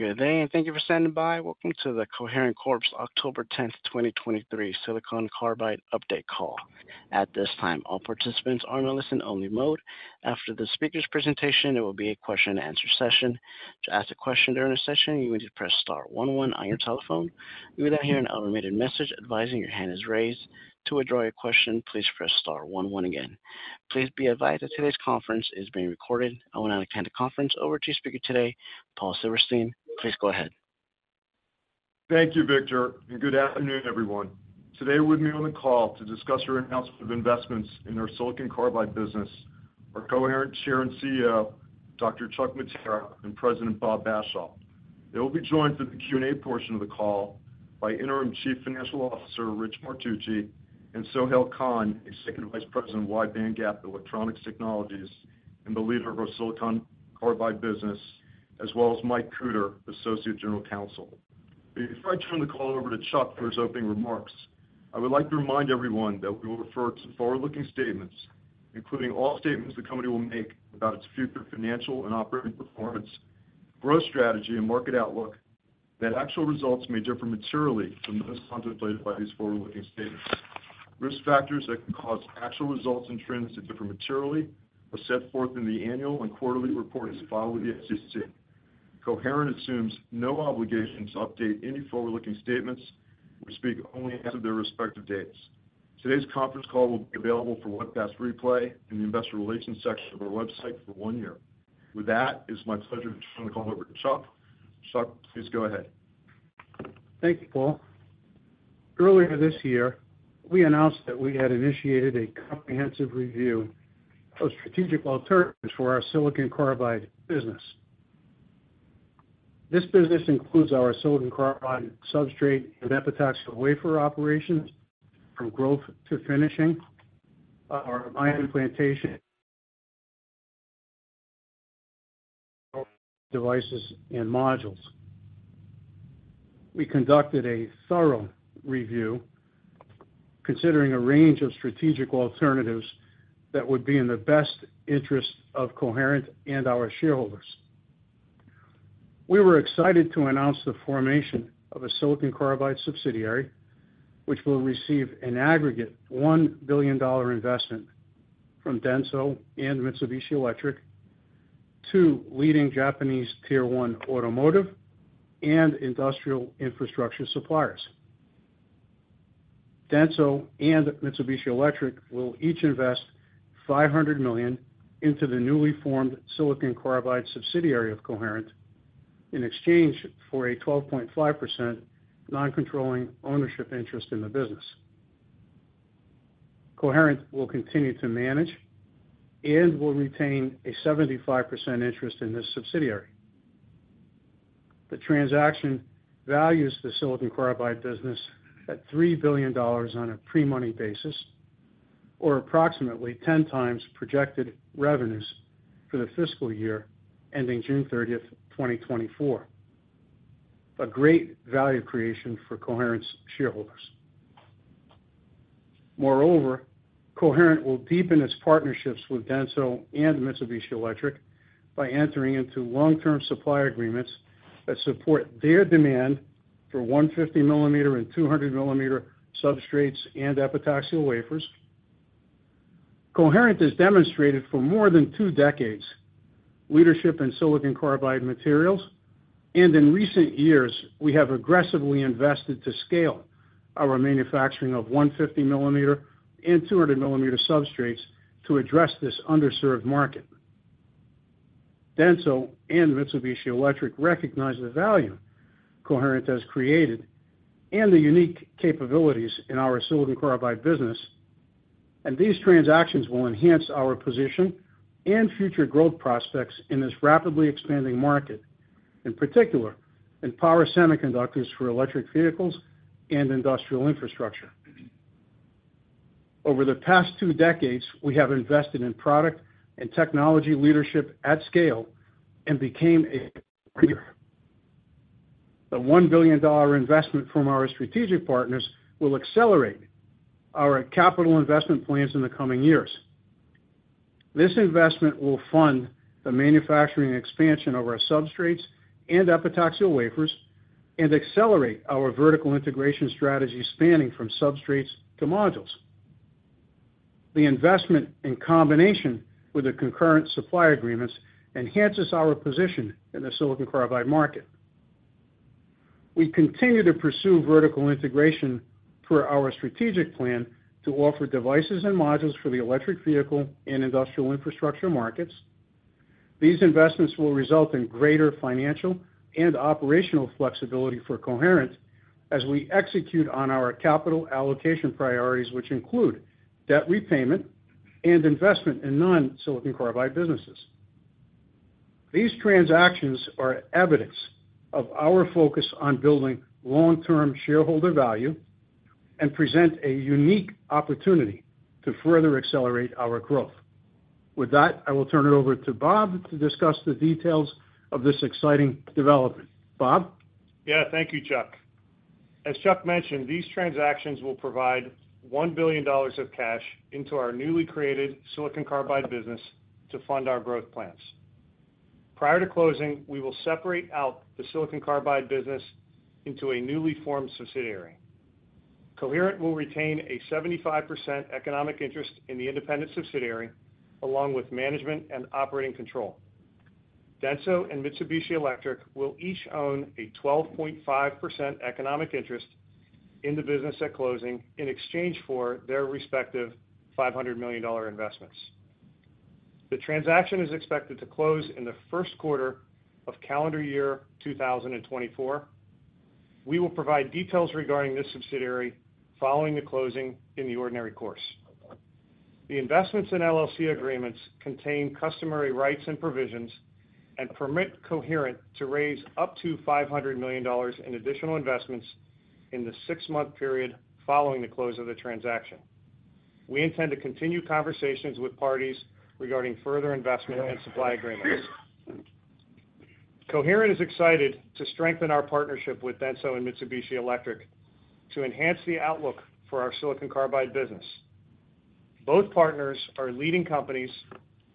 Good day, and thank you for standing by. Welcome to the Coherent Corp.'s October 10, 2023, Silicon Carbide update call. At this time, all participants are in a listen-only mode. After the speaker's presentation, there will be a question and answer session. To ask a question during the session, you need to press star one one on your telephone. You will then hear an automated message advising your hand is raised. To withdraw your question, please press star one one again. Please be advised that today's conference is being recorded. I want to hand the conference over to your speaker today, Paul Silverstein. Please go ahead. Thank you, Victor, and good afternoon, everyone. Today we're meeting on the call to discuss our announcement of investments in our Silicon Carbide business, our Coherent Chair and CEO, Dr. Chuck Mattera, and President Bob Bashaw. They will be joined for the Q&A portion of the call by Interim Chief Financial Officer, Richard Martucci, and Sohail Khan, Executive Vice President, Wide Bandgap Electronics Technologies and the leader of our Silicon Carbide business, as well as Mike Kuder Associate General Counsel. Before I turn the call over to Chuck for his opening remarks, I would like to remind everyone that we will refer to forward-looking statements, including all statements the company will make about its future financial and operating performance, growth strategy, and market outlook, that actual results may differ materially from those contemplated by these forward-looking statements. Risk factors that can cause actual results and trends to differ materially are set forth in the annual and quarterly report as filed with the SEC. Coherent assumes no obligation to update any forward-looking statements, which speak only as of their respective dates. Today's conference call will be available for webcast replay in the investor relations section of our website for one year. With that, it's my pleasure to turn the call over to Chuck. Chuck, please go ahead. Thank you, Paul. Earlier this year, we announced that we had initiated a comprehensive review of strategic alternatives for our Silicon Carbide business. This business includes our Silicon Carbide substrate and epitaxial wafer operations, from growth to finishing, our ion implantation devices and modules. We conducted a thorough review, considering a range of strategic alternatives that would be in the best interest of Coherent and our shareholders. We were excited to announce the formation of a Silicon Carbide subsidiary, which will receive an aggregate $1 billion investment from DENSO and Mitsubishi Electric, two leading Japanese Tier 1 automotive and industrial infrastructure suppliers. DENSO and Mitsubishi Electric will each invest $500 million into the newly formed Silicon Carbide subsidiary of Coherent in exchange for a 12.5% non-controlling ownership interest in the business. Coherent will continue to manage and will retain a 75% interest in this subsidiary. The transaction values the Silicon Carbide business at $3 billion on a pre-money basis, or approximately 10 times projected revenues for the fiscal year ending June 30, 2024. A great value creation for Coherent's shareholders. Moreover, Coherent will deepen its partnerships with DENSO and Mitsubishi Electric by entering into long-term supply agreements that support their demand for 150-millimeter and 200-millimeter substrates and epitaxial wafers. Coherent has demonstrated for more than two decades leadership in Silicon Carbide materials, and in recent years, we have aggressively invested to scale our manufacturing of 150-millimeter and 200-millimeter substrates to address this underserved market. DENSO and Mitsubishi Electric recognize the value Coherent has created and the unique capabilities in our Silicon Carbide business, and these transactions will enhance our position and future growth prospects in this rapidly expanding market, in particular, in power semiconductors for electric vehicles and industrial infrastructure. Over the past two decades, we have invested in product and technology leadership at scale and became a leader. The $1 billion investment from our strategic partners will accelerate our capital investment plans in the coming years. This investment will fund the manufacturing expansion of our substrates and epitaxial wafers and accelerate our vertical integration strategy, spanning from substrates to modules. The investment, in combination with the concurrent supply agreements, enhances our position in the Silicon Carbide market. We continue to pursue vertical integration per our strategic plan to offer devices and modules for the electric vehicle and industrial infrastructure markets. These investments will result in greater financial and operational flexibility for Coherent as we execute on our capital allocation priorities, which include debt repayment and investment in non-silicon carbide businesses. These transactions are evidence of our focus on building long-term shareholder value and present a unique opportunity to further accelerate our growth. With that, I will turn it over to Bob to discuss the details of this exciting development. Bob? Yeah, thank you, Chuck. ...As Chuck mentioned, these transactions will provide $1 billion of cash into our newly created Silicon Carbide business to fund our growth plans. Prior to closing, we will separate out the Silicon Carbide business into a newly formed subsidiary. Coherent will retain a 75% economic interest in the independent subsidiary, along with management and operating control. DENSO and Mitsubishi Electric will each own a 12.5% economic interest in the business at closing in exchange for their respective $500 million investments. The transaction is expected to close in the first quarter of calendar year 2024. We will provide details regarding this subsidiary following the closing in the ordinary course. The investments in LLC agreements contain customary rights and provisions and permit Coherent to raise up to $500 million in additional investments in the six-month period following the close of the transaction. We intend to continue conversations with parties regarding further investment and supply agreements. Coherent is excited to strengthen our partnership with DENSO and Mitsubishi Electric to enhance the outlook for our Silicon Carbide business. Both partners are leading companies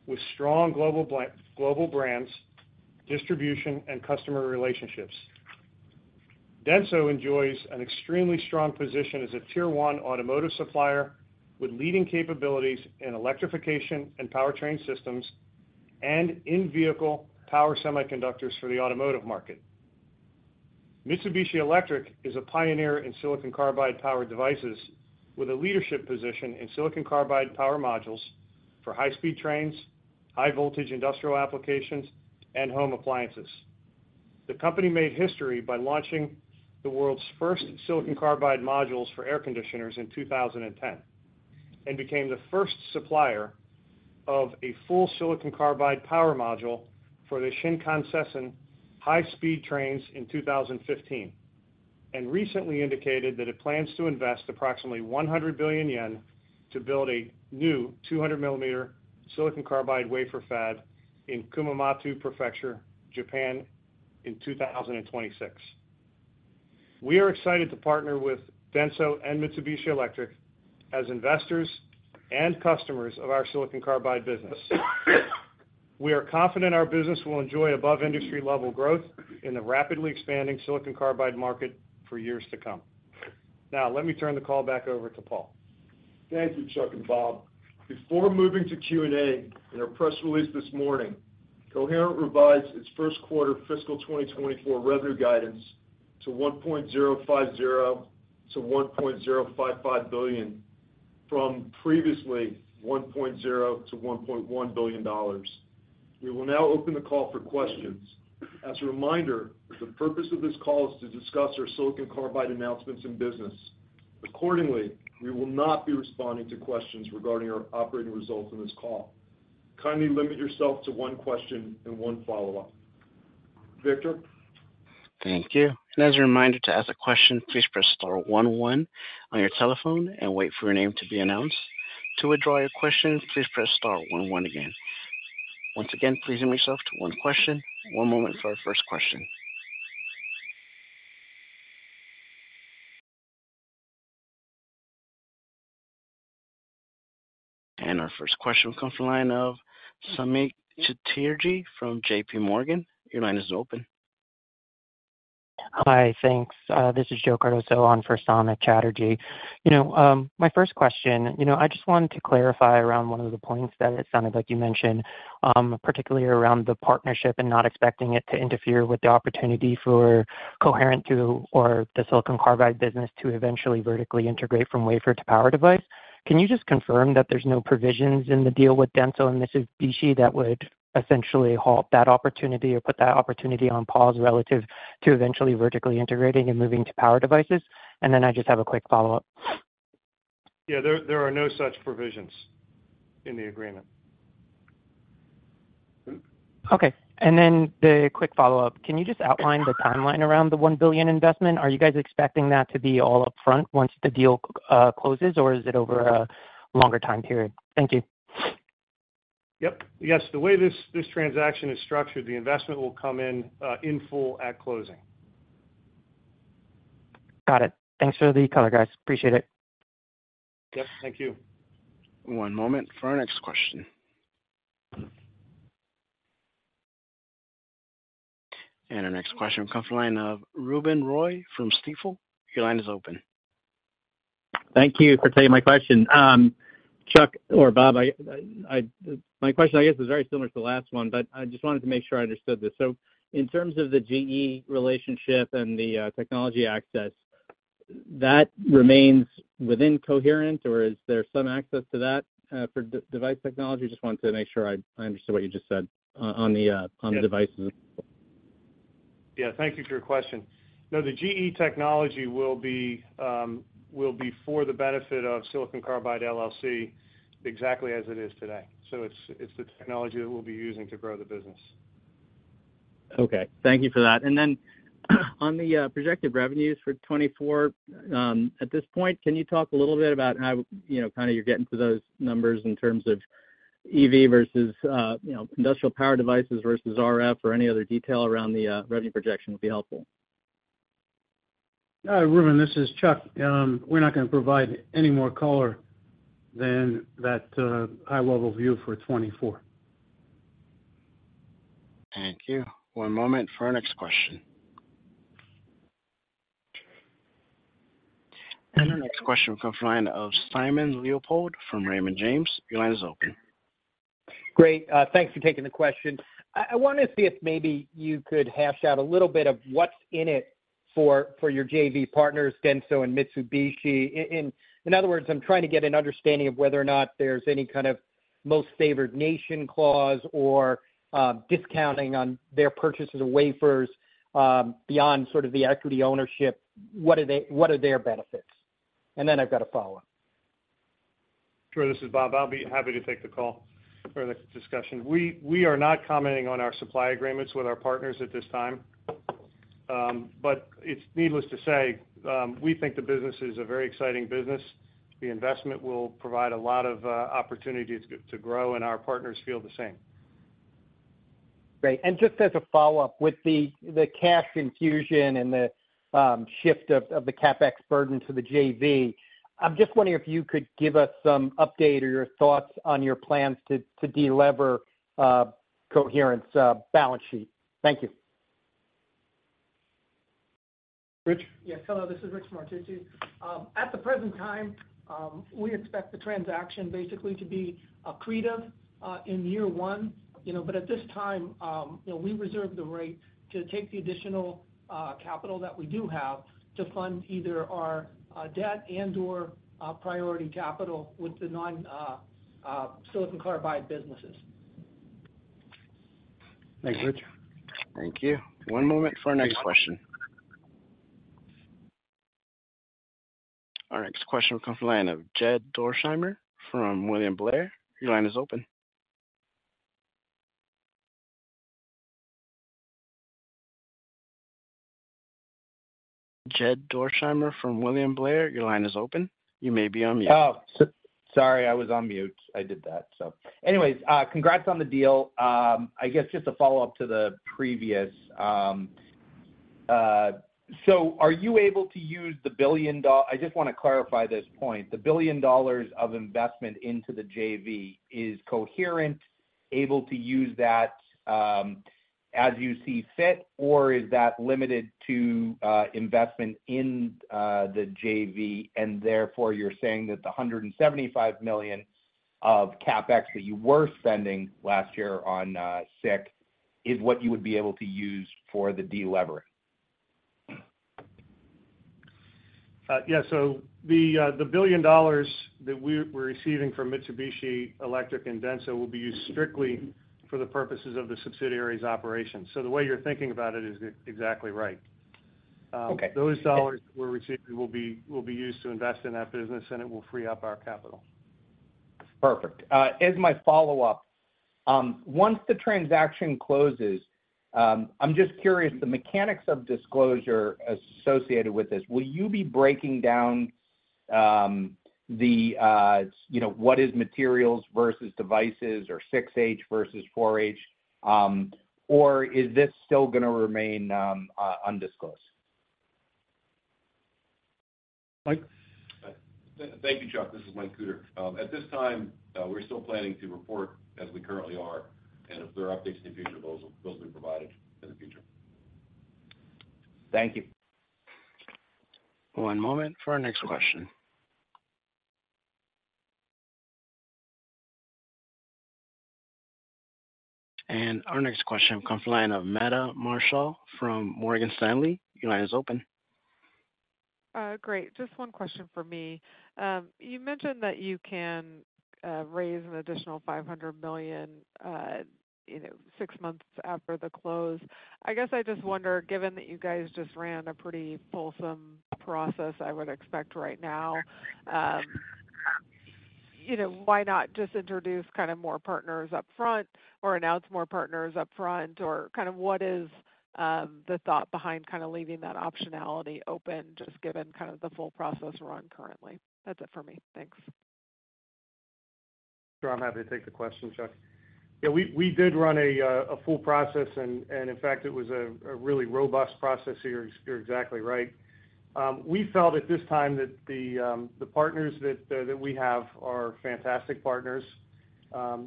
with strong global brands, distribution, and customer relationships. DENSO enjoys an extremely strong position as a tier one automotive supplier with leading capabilities in electrification and powertrain systems and in-vehicle power semiconductors for the automotive market. Mitsubishi Electric is a pioneer in Silicon Carbide power devices with a leadership position in Silicon Carbide power modules for high-speed trains, high-voltage industrial applications, and home appliances. The company made history by launching the world's first Silicon Carbide modules for air conditioners in 2010, and became the first supplier of a full Silicon Carbide power module for the Shinkansen high-speed trains in 2015, and recently indicated that it plans to invest approximately 100 billion yen to build a new 200 millimeter Silicon Carbide wafer fab in Kumamoto Prefecture, Japan, in 2026. We are excited to partner with DENSO and Mitsubishi Electric as investors and customers of our Silicon Carbide business. We are confident our business will enjoy above industry level growth in the rapidly expanding silicon carbide market for years to come. Now, let me turn the call back over to Paul. Thank you, Chuck and Bob. Before moving to Q&A, in our press release this morning, Coherent revised its first quarter fiscal 2024 revenue guidance to $1.050 billion-$1.055 billion, from previously $1.0 billion-$1.1 billion. We will now open the call for questions. As a reminder, the purpose of this call is to discuss our Silicon Carbide announcements and business. Accordingly, we will not be responding to questions regarding our operating results on this call. Kindly limit yourself to one question and one follow-up. Victor? Thank you. As a reminder, to ask a question, please press star one one on your telephone and wait for your name to be announced. To withdraw your question, please press star one one again. Once again, please limit yourself to one question. One moment for our first question. Our first question comes from the line of Samik Chatterjee from JP Morgan. Your line is open. Hi, thanks. This is Joe Cardoso on for Samik Chatterjee. You know, my first question, you know, I just wanted to clarify around one of the points that it sounded like you mentioned, particularly around the partnership and not expecting it to interfere with the opportunity for Coherent to, or the Silicon Carbide business to eventually vertically integrate from wafer to power device. Can you just confirm that there's no provisions in the deal with DENSO and Mitsubishi that would essentially halt that opportunity or put that opportunity on pause relative to eventually vertically integrating and moving to power devices? And then I just have a quick follow-up. Yeah, there are no such provisions in the agreement. Okay. And then the quick follow-up, can you just outline the timeline around the $1 billion investment? Are you guys expecting that to be all upfront once the deal closes, or is it over a longer time period? Thank you. Yep. Yes, the way this, this transaction is structured, the investment will come in, in full at closing. Got it. Thanks for the color, guys. Appreciate it. Yep, thank you. One moment for our next question. And our next question comes from the line of Ruben Roy from Stifel. Your line is open. Thank you for taking my question. Chuck or Bob, my question, I guess, is very similar to the last one, but I just wanted to make sure I understood this. So in terms of the GE relationship and the technology access, that remains within Coherent, or is there some access to that for device technology? Just wanted to make sure I understood what you just said on the devices. Yeah. Thank you for your question. No, the GE technology will be for the benefit of Silicon Carbide LLC exactly as it is today. So it's the technology that we'll be using to grow the business. Okay. Thank you for that. And then on the projected revenues for 2024, at this point, can you talk a little bit about how, you know, kind of you're getting to those numbers in terms of-... EV versus, you know, industrial power devices versus RF or any other detail around the, revenue projection would be helpful. Ruben, this is Chuck. We're not gonna provide any more color than that, high level view for 2024. Thank you. One moment for our next question. Our next question comes from the line of Simon Leopold from Raymond James. Your line is open. Great, thanks for taking the question. I wanna see if maybe you could hash out a little bit of what's in it for your JV partners, DENSO and Mitsubishi. In other words, I'm trying to get an understanding of whether or not there's any kind of most favored nation clause or discounting on their purchases of wafers beyond sort of the equity ownership. What are their benefits? And then I've got a follow-up. Sure, this is Bob. I'll be happy to take the call for the discussion. We are not commenting on our supply agreements with our partners at this time. But it's needless to say, we think the business is a very exciting business. The investment will provide a lot of opportunity to grow, and our partners feel the same. Great. And just as a follow-up, with the cash infusion and the shift of the CapEx burden to the JV, I'm just wondering if you could give us some update or your thoughts on your plans to delever Coherent's balance sheet? Thank you. Rich? Yes. Hello, this is Rich Martucci. At the present time, we expect the transaction basically to be accretive in year one. You know, but at this time, you know, we reserve the right to take the additional capital that we do have to fund either our debt and/or priority capital with the non Silicon Carbide businesses. Thanks, Rich. Thank you. One moment for our next question. Our next question comes from the line of Jed Dorsheimer from William Blair. Your line is open. Jed Dorsheimer from William Blair, your line is open. You may be on mute. Oh, sorry, I was on mute. I did that. So anyways, congrats on the deal. I guess just a follow-up to the previous. So are you able to use the $1 billion? I just wanna clarify this point. The $1 billion of investment into the JV, is Coherent able to use that, as you see fit, or is that limited to investment in the JV, and therefore, you're saying that the $175 million of CapEx that you were spending last year on SiC is what you would be able to use for the delevering? Yeah. So the $1 billion that we're receiving from Mitsubishi Electric and DENSO will be used strictly for the purposes of the subsidiary's operations. So the way you're thinking about it is exactly right. Okay. Those dollars we're receiving will be, will be used to invest in that business, and it will free up our capital. Perfect. As my follow-up, once the transaction closes, I'm just curious, the mechanics of disclosure associated with this, will you be breaking down, you know, what is materials versus devices or 6H versus 4H? Or is this still gonna remain, undisclosed? Mike? Thank you, Chuck. This is Mike Kuder. At this time, we're still planning to report as we currently are, and if there are updates in the future, those will, those will be provided in the future. Thank you. One moment for our next question. Our next question comes from the line of Meta Marshall from Morgan Stanley. Your line is open. Great. Just one question for me. You mentioned that you can raise an additional $500 million, you know, six months after the close. I guess I just wonder, given that you guys just ran a pretty fulsome process, I would expect right now, you know, why not just introduce kind of more partners upfront or announce more partners upfront, or kind of what is the thought behind kind of leaving that optionality open, just given kind of the full process run currently? That's it for me. Thanks. Sure. I'm happy to take the question, Chuck. Yeah, we did run a full process, and in fact, it was a really robust process. So you're exactly right. We felt at this time that the partners that we have are fantastic partners,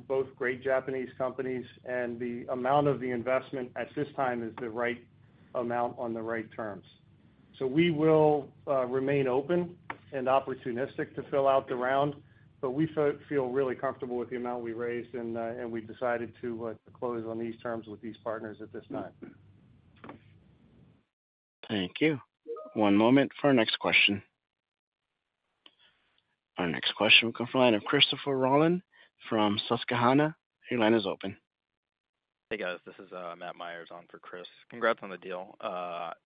both great Japanese companies, and the amount of the investment at this time is the right amount on the right terms. So we will remain open and opportunistic to fill out the round, but we feel really comfortable with the amount we raised, and we've decided to close on these terms with these partners at this time. Thank you. One moment for our next question. Our next question will come from the line of Christopher Rolland from Susquehanna. Your line is open. Hey, guys, this is Matt Myers on for Chris. Congrats on the deal.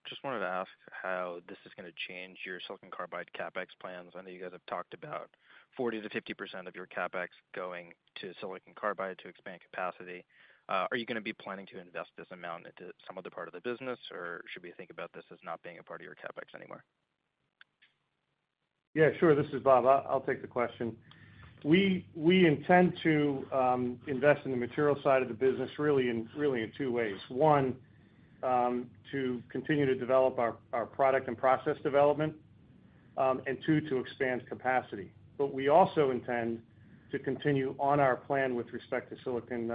Just wanted to ask how this is gonna change your Silicon Carbide CapEx plans. I know you guys have talked about 40%-50% of your CapEx going to Silicon Carbide to expand capacity. Are you gonna be planning to invest this amount into some other part of the business, or should we think about this as not being a part of your CapEx anymore?... Yeah, sure. This is Bob. I'll take the question. We intend to invest in the material side of the business really in two ways. One, to continue to develop our product and process development, and two, to expand capacity. But we also intend to continue on our plan with respect to Silicon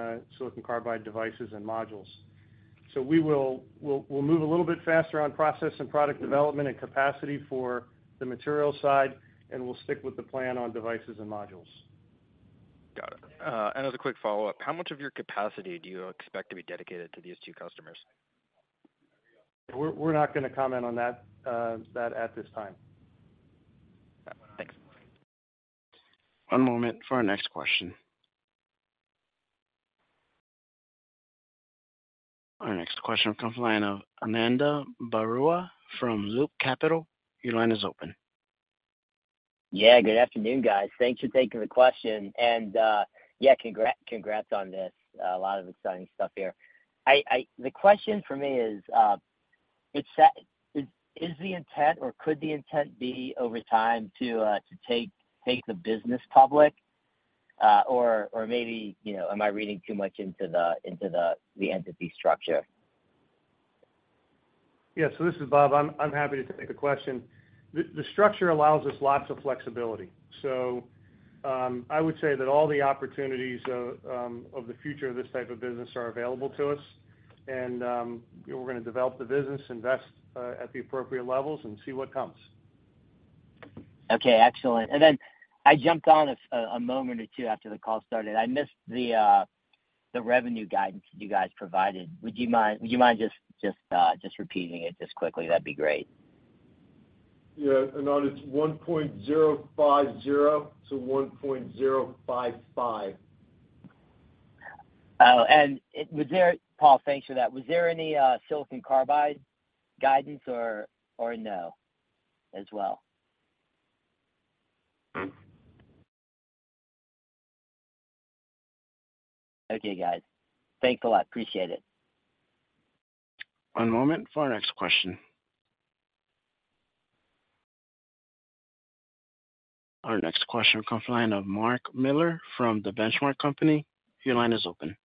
Carbide devices and modules. So we will move a little bit faster on process and product development and capacity for the material side, and we'll stick with the plan on devices and modules. Got it. Another quick follow-up. How much of your capacity do you expect to be dedicated to these two customers? We're not gonna comment on that at this time. Got it. Thanks. One moment for our next question. Our next question comes from the line of Ananda Baruah from Loop Capital. Your line is open. Yeah, good afternoon, guys. Thanks for taking the question. And, yeah, congrats on this. A lot of exciting stuff here. I—the question for me is, is the intent or could the intent be over time to take the business public? Or maybe, you know, am I reading too much into the entity structure? Yeah, so this is Bob. I'm happy to take the question. The structure allows us lots of flexibility. So, I would say that all the opportunities of the future of this type of business are available to us, and, we're gonna develop the business, invest at the appropriate levels and see what comes. Okay, excellent. And then I jumped on a moment or two after the call started. I missed the revenue guidance you guys provided. Would you mind just repeating it just quickly? That'd be great. Yeah, and on its $1.050 billion-$1.055 billion. Oh, and was there... Paul, thanks for that. Was there any, Silicon Carbide guidance or, or no as well? Mm-mm. Okay, guys. Thanks a lot. Appreciate it. One moment for our next question. Our next question comes from the line of Mark Miller from The Benchmark Company. Your line is open.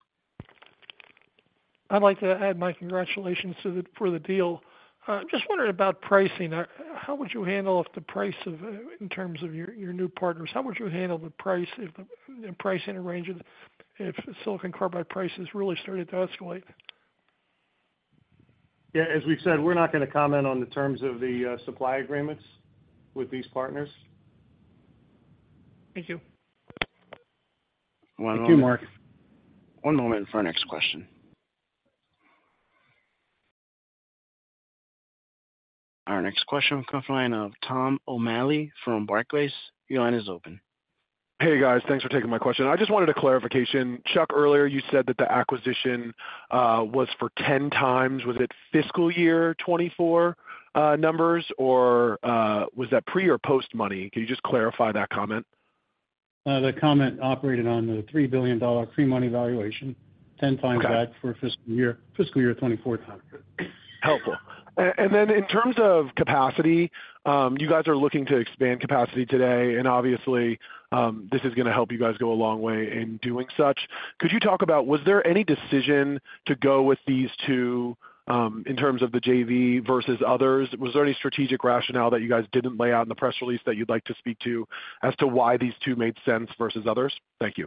I'd like to add my congratulations to the for the deal. Just wondering about pricing. How would you handle if the price of in terms of your new partners, how would you handle the price if the pricing and range of if Silicon Carbide prices really started to escalate? Yeah, as we've said, we're not gonna comment on the terms of the supply agreements with these partners. Thank you. One moment. Thank you, Mark. One moment for our next question. Our next question comes from the line of Tom O'Malley from Barclays. Your line is open. Hey, guys. Thanks for taking my question. I just wanted a clarification. Chuck, earlier you said that the acquisition was for 10x. Was it fiscal year 2024 numbers, or was that pre or post money? Can you just clarify that comment? The comment operated on the $3 billion pre-money valuation, 10x- Okay... that for fiscal year, fiscal year 2024 time. Helpful. And then in terms of capacity, you guys are looking to expand capacity today, and obviously, this is gonna help you guys go a long way in doing such. Could you talk about was there any decision to go with these two, in terms of the JV versus others? Was there any strategic rationale that you guys didn't lay out in the press release that you'd like to speak to as to why these two made sense versus others? Thank you.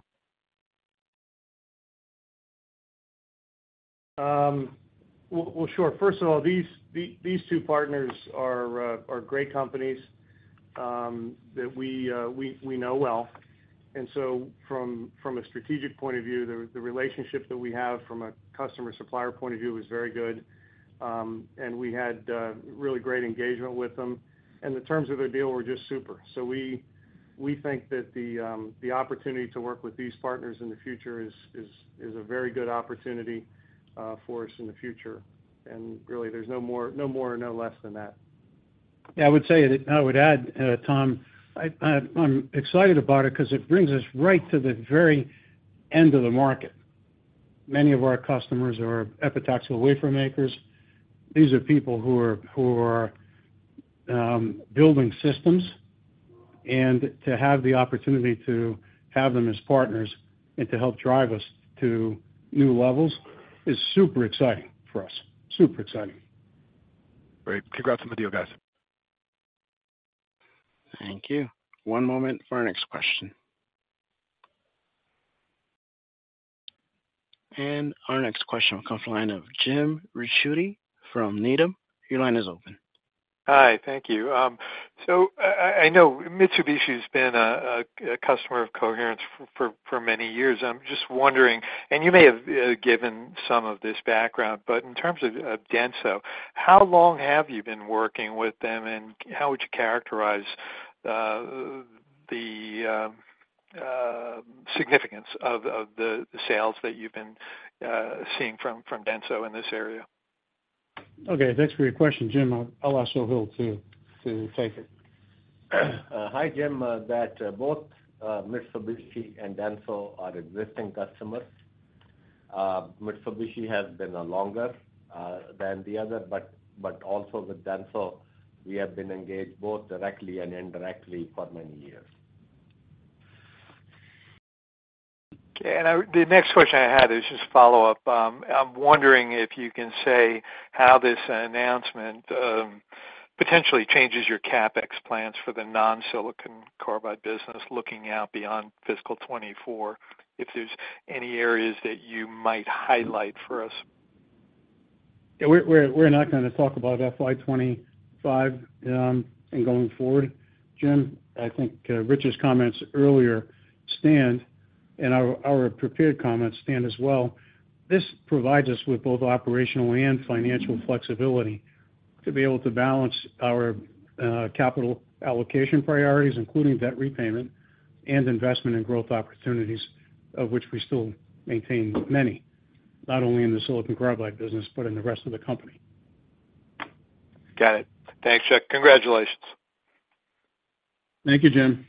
Well, well, sure. First of all, these two partners are great companies that we know well. And so from a strategic point of view, the relationship that we have from a customer-supplier point of view is very good. And we had really great engagement with them, and the terms of the deal were just super. So we think that the opportunity to work with these partners in the future is a very good opportunity for us in the future. And really, there's no more or no less than that. Yeah, I would say that I would add, Tom, I, I'm excited about it because it brings us right to the very end of the market. Many of our customers are epitaxial wafer makers. These are people who are building systems, and to have the opportunity to have them as partners and to help drive us to new levels is super exciting for us. Super exciting. Great. Congrats on the deal, guys. Thank you. One moment for our next question. Our next question will come from the line of Jim Ricchiuti from Needham. Your line is open. Hi, thank you. So I know Mitsubishi has been a customer of Coherent for many years. I'm just wondering, and you may have given some of this background, but in terms of DENSO, how long have you been working with them, and how would you characterize the significance of the sales that you've been seeing from DENSO in this area? Okay, thanks for your question, Jim. I'll ask Sohail to take it. Hi, Jim, that both Mitsubishi and DENSO are existing customers. Mitsubishi has been a longer than the other, but also with DENSO, we have been engaged both directly and indirectly for many years. Okay, and the next question I had is just follow-up. I'm wondering if you can say how this announcement potentially changes your CapEx plans for the non-Silicon Carbide business looking out beyond fiscal 2024, if there's any areas that you might highlight for us? Yeah, we're not gonna talk about FY 2025, and going forward. Jim, I think Rich's comments earlier stand, and our prepared comments stand as well. This provides us with both operational and financial flexibility to be able to balance our capital allocation priorities, including debt repayment and investment in growth opportunities, of which we still maintain many, not only in the Silicon Carbide business, but in the rest of the company. Got it. Thanks, Chuck. Congratulations. Thank you, Jim.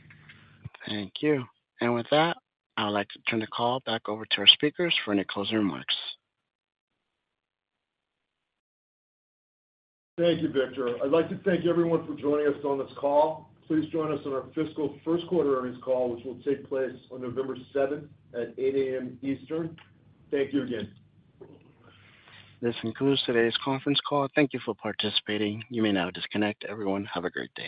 Thank you. With that, I would like to turn the call back over to our speakers for any closing remarks. Thank you, Victor. I'd like to thank everyone for joining us on this call. Please join us on our fiscal first quarter earnings call, which will take place on November7th at 8:00 A.M. EST. Thank you again. This concludes today's conference call. Thank you for participating. You may now disconnect. Everyone, have a great day.